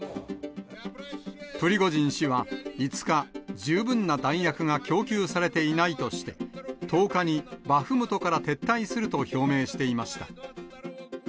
プリゴジン氏は５日、十分な弾薬が供給されていないとして、１０日にバフムトから撤退すると表明していました。